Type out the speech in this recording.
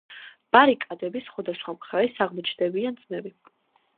ბარიკადების სხვადასხვა მხარეს აღმოჩნდებიან ძმები.